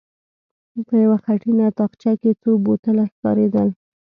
په يوه خټينه تاخچه کې څو بوتله ښکارېدل.